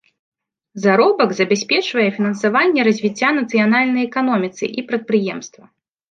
Заробак забяспечвае фінансаванне развіцця нацыянальнай эканоміцы і прадпрыемства.